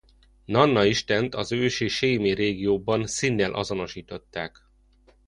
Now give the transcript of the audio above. Nanna istent az ősi sémi régióban Színnel azonosították.